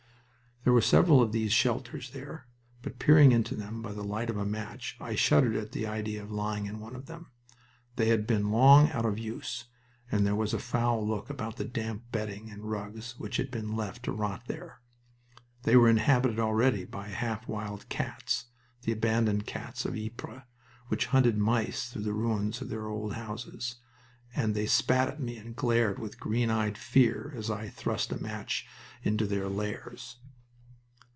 There were several of these shelters there, but, peering into them by the light of a match, I shuddered at the idea of lying in one of them. They had been long out of use and there was a foul look about the damp bedding and rugs which had been left to rot there. They were inhabited already by half wild cats the abandoned cats of Ypres, which hunted mice through the ruins of their old houses and they spat at me and glared with green eyed fear as I thrust a match into their lairs.